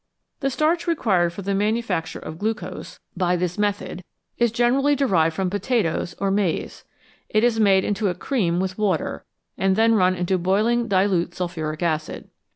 The starch required for the manufacture of glucose by 231 SUGAR AND STARCH this method is generally derived from potatoes or maize ; it is made into a cream with water, and then run into boiling dilute sulphuric acid.